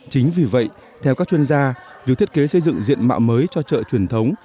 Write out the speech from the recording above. chính vì vậy theo các chuyên gia việc thiết kế xây dựng diện mạo mới cho chợ truyền thống